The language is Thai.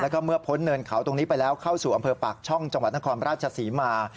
แล้วก็เมื่อพ้นเนินเขาตรงนี้ไปแล้วเข้าสู่อำเภอปากช่องจังหวัดนครราชศรีมา